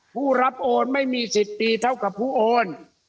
ผู้รับโอนไม่มี๑๐ปีเท่ากับผู้โอน